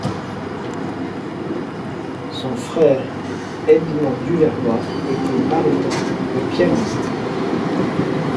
Son frère Edmond Duvernoy était baryton et pianiste.